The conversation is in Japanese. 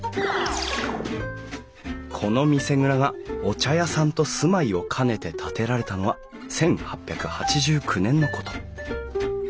この見世蔵がお茶屋さんと住まいを兼ねて建てられたのは１８８９年のこと。